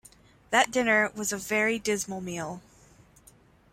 That dinner was a very dismal meal.